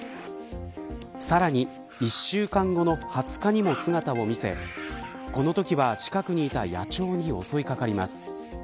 さらに、１週間後の２０日にも姿を見せこのときは、近くにいた野鳥に襲いかかります。